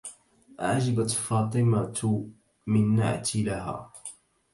عجبت فطمة من نعتي لها